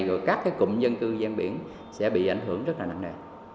những dân cư gian biển sẽ bị ảnh hưởng rất là nặng nề